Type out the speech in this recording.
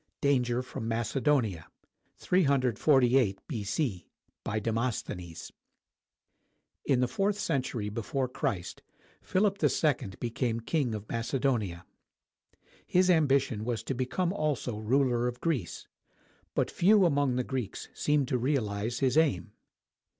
DANGER FROM MACEDONIA [348 B.C.] BY DEMOSTHENES [In the fourth century before Christ, Philip II became King of Macedonia. His ambition was to become also ruler of Greece; but few among the Greeks seemed to realize his aim.